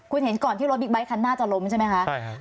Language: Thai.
คุณเห็นก่อนที่รถบิ๊กไบท์คันหน้าจะล้มใช่ไหมคะใช่ค่ะ